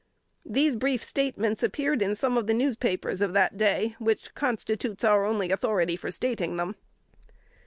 These brief statements appeared in some of the newspapers of that day, which constitutes our only authority for stating them.